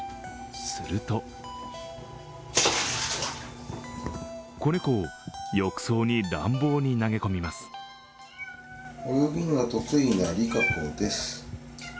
すると子猫を浴槽に乱暴に投げ込みます。